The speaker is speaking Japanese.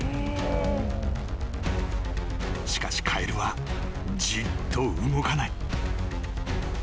［しかしカエルはじっと動かない］